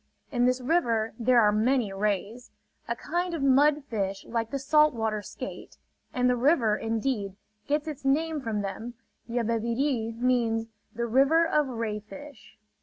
In this river there are many rays, a kind of mud fish like the salt water skate; and the river, indeed, gets its name from them: "Yabebirì" means the "river of ray fish."